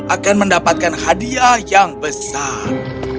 akan mendapatkan hadiah yang besar